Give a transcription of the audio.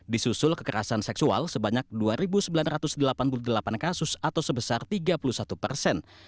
disusul kekerasan seksual sebanyak dua sembilan ratus delapan puluh delapan kasus atau sebesar tiga puluh satu persen